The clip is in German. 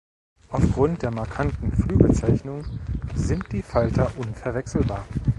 Aufgrund der markanten Flügelzeichnung sind die Falter unverwechselbar.